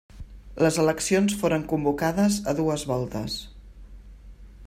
Les eleccions foren convocades a dues voltes.